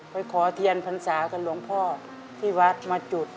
ขอเทียนพรรษากับหลวงพ่อที่วัดมาจุด